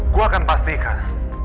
gue akan pastikan